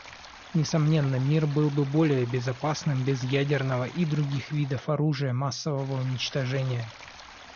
Несомненно, мир был бы более безопасным без ядерного и других видов оружия массового уничтожения.